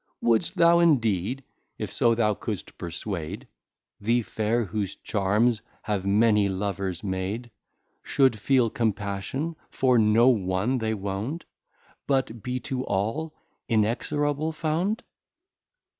Wouldst thou, indeed, if so thou couldst perswade, The Fair, whose Charms have many Lovers made, Should feel Compassion for no one they wound, But be to all Inexorable found?